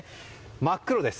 真っ黒です。